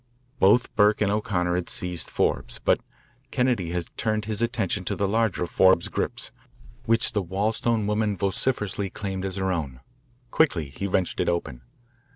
Both Burke and O'Connor had seized Forbes, but Kennedy had turned his attention to the larger of Forbes's grips, which the Wollstone woman vociferously claimed as her own. Quickly he wrenched it open.